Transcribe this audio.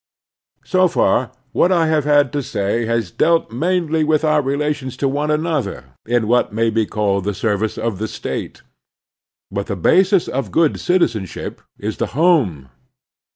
So far, what I have had to say has dealt mainly with our relations to one another in what may be called the service of the State. But the basis of good citizenship is the home.